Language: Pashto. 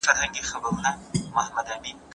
تعاون د پرمختګ لار ده.